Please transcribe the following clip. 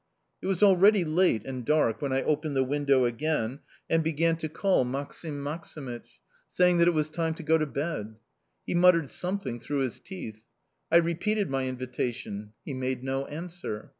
It was already late and dark when I opened the window again and began to call Maksim Maksimych, saying that it was time to go to bed. He muttered something through his teeth. I repeated my invitation he made no answer.